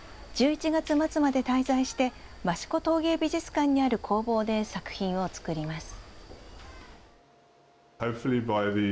１１月末まで滞在して益子陶芸美術館にある工房で作品を作ります。